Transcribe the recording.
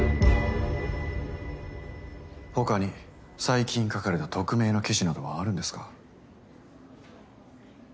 他に最近書かれた匿名の記事などはあるんですか？